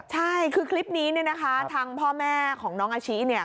ใช่คือคลิปนี้เนี่ยนะคะทางพ่อแม่ของน้องอาชิเนี่ย